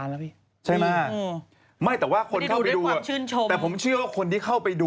อ๋อน็อตนี่แหละอ๋อน็อตนี่แหละ